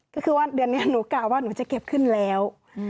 ก็คือว่าเดือนนี้หนูกล่าวว่าหนูจะเก็บขึ้นแล้ว